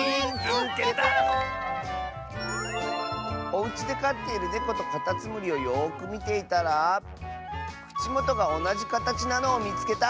「おうちでかっているネコとカタツムリをよくみていたらくちもとがおなじかたちなのをみつけた！」。